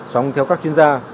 xong theo các chuyên gia